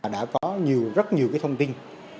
đã có rất nhiều thông tin